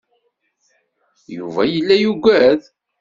Yuba yella yugad.